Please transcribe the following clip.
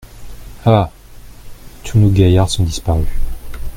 Ah ! tous nos gaillards sont disparus.